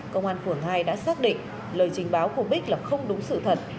công an phường hai đã xác định lời trình báo của bích là không đúng sự thật